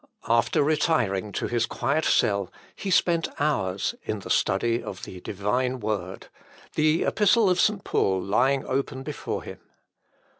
After retiring to his quiet cell he spent hours in the study of the Divine Word the Epistle of St. Paul lying open before him.